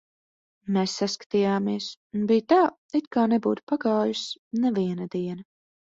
Mēs saskatījāmies, un bija tā, it kā nebūtu pagājusi neviena diena.